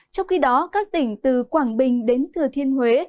trong khi đó các tỉnh từ quảng bình đến thừa thiên huế